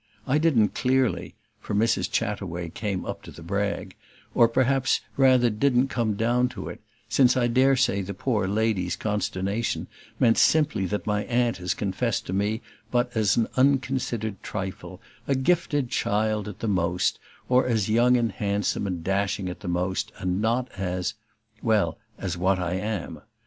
I didn't clearly, for Mrs. Chataway, come up to the brag or perhaps rather didn't come down to it: since I dare say the poor lady's consternation meant simply that my aunt has confessed to me but as an unconsidered trifle, a gifted child at the most; or as young and handsome and dashing at the most, and not as well, as what I am.